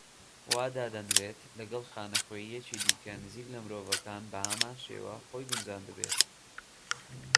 وا دادەنرێت، لەگەڵ خانەخوێیەکی دیکە نزیک لە مرۆڤەکان بە هەمان شێوە خۆی گونجاندبێت.